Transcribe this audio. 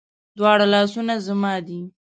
دواړه لاسونه زما دي